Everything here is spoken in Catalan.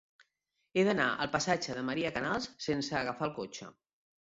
He d'anar al passatge de Maria Canals sense agafar el cotxe.